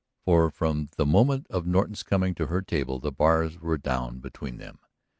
For from the moment of Norton's coming to her table the bars were down between them.